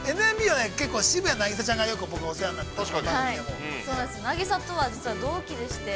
◆ＮＭＢはね、渋谷凪咲ちゃんがよく、僕、お世話になって。